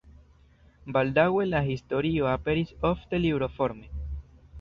Baldaŭe la historio aperis ofte libroforme.